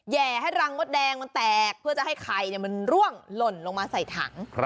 แห่ให้รังมดแดงมันแตกเพื่อจะให้ไข่มันร่วงหล่นลงมาใส่ถัง